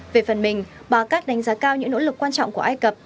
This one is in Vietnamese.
về phần mình bà gark đánh giá cao những nỗ lực quan trọng của ai cập